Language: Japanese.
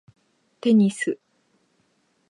テニス